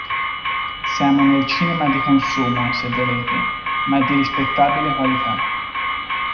Siamo nel cinema di consumo, se volete, ma di rispettabile qualità".